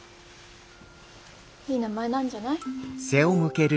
いい名前なんじゃない？